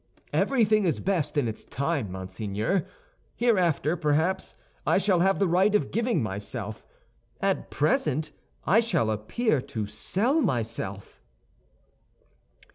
Everything is best in its time, monseigneur. Hereafter, perhaps, I shall have the right of giving myself; at present I shall appear to sell myself."